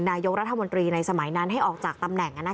นายกรัฐมนตรีในสมัยนั้นให้ออกจากตำแหน่ง